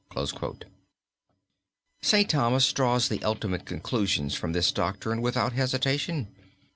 St. Thomas draws the ultimate conclusions from this doctrine without hesitation.